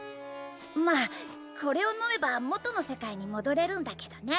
まあこれを飲めば元の世界にもどれるんだけどね。